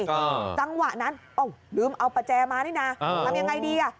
จังหวะนั้นเอ้าลืมเอาประแจมานี่น่ะอ่าทำยังไงดีอ่ะ